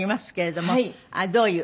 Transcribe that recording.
どういう？